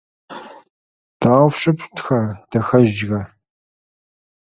Перехожу к рекомендациям группы и выводам.